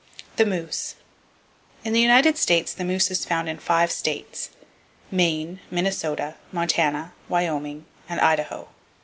The Moose. —In the United States the moose is found in five states,—Maine, Minnesota, Montana, Wyoming and Idaho.